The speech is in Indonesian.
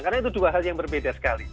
karena itu dua hal yang berbeda sekali